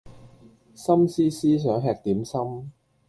心思思想吃點心